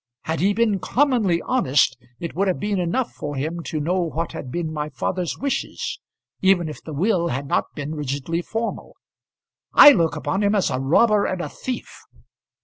Had he been commonly honest it would have been enough for him to know what had been my father's wishes, even if the will had not been rigidly formal. I look upon him as a robber and a thief."